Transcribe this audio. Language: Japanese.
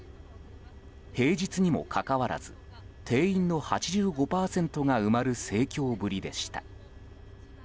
平日にもかかわらず定員の８５％が埋まる盛況ぶりでした。